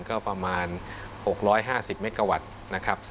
ก็ประมาณ๖๕๐เมกาวัตต์นะครับ